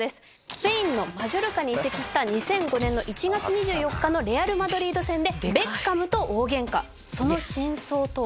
スペインのマジョルカに移籍した２００５年の１月２４日のレアル・マドリード戦でベッカムと大ゲンカその真相とは？